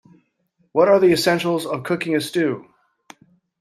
What are the essentials of cooking a stew?